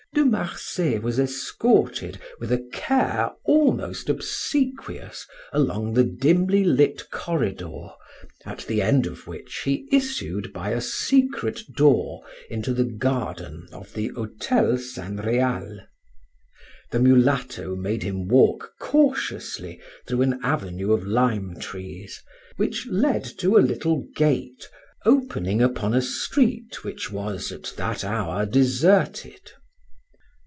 De Marsay was escorted, with a care almost obsequious, along the dimly lit corridor, at the end of which he issued by a secret door into the garden of the Hotel San Real. The mulatto made him walk cautiously through an avenue of lime trees, which led to a little gate opening upon a street which was at that hour deserted.